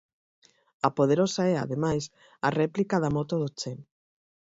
A Poderosa é, ademais, a réplica da moto do Che.